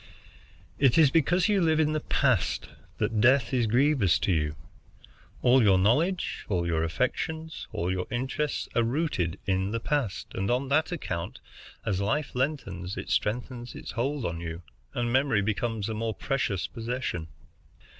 It is because you live in the past that death is grievous to you. All your knowledge, all your affections, all your interests, are rooted in the past, and on that account, as life lengthens, it strengthens its hold on you, and memory becomes a more precious possession.